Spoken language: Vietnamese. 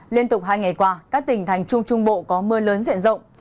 liên tục hai ngày qua các tỉnh thành trung trung bộ có mưa lớn diện rộng